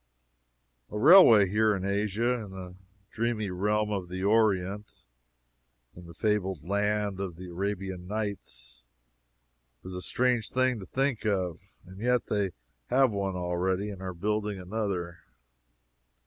A railway here in Asia in the dreamy realm of the Orient in the fabled land of the Arabian Nights is a strange thing to think of. And yet they have one already, and are building another.